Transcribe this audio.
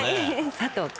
佐藤君。